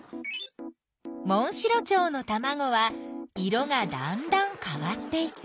モンシロチョウのたまごは色がだんだんかわっていった。